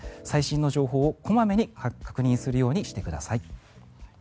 最新の情報を小まめに確認するようにしてください。